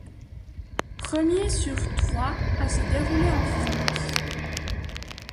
Premier sur trois à se dérouler en France.